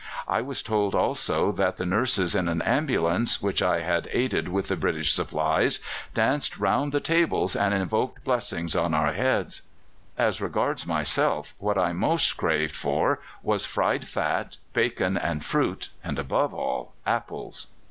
I was told also that the nurses in an ambulance which I had aided with the British supplies danced round the tables, and invoked blessings on our heads. As regards myself, what I most craved for was fried fat, bacon, and fruit, and, above all, apples."